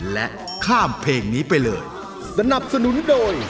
และข้ามเพลงนี้ไปเลย